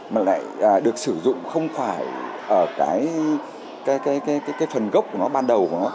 mà lại được sử dụng không phải ở cái phần gốc của nó ban đầu của nó